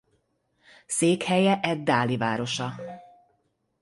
Székhelye ed-Dáli városa.